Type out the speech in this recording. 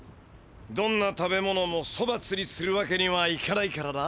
どんな食べ物もそまつにするわけにはいかないからな。